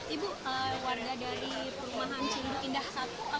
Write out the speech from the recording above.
ibu warga dari perumahan cilindah satu atau dua